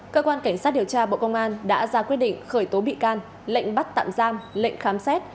cơ quan cảnh sát điều tra bộ công an đã ra quyết định khởi tố bị can lệnh bắt tạm giam lệnh khám xét